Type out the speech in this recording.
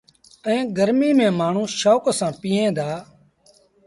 ائيٚݩ گرميٚ ميݩ مآڻهوٚٚݩ شوڪ سآݩ پئيٚن دآ۔